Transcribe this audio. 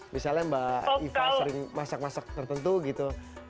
misalnya mbak iva sering masak masak tertentu gitu